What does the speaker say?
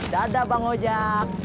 dadah bang hojak